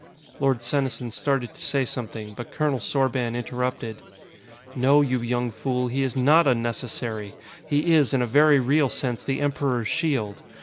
Lord Senesin started to say something, but Colonel Sorban interrupted. "No, you young fool, he is not unnecessary! He is, in a very real sense, the Emperor's shield.